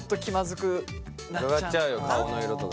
うかがっちゃうよ顔の色とか。